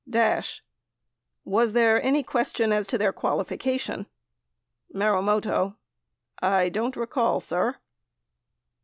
Dash. Was there any question as to their qualification? Marumoto. I don't recall, sir.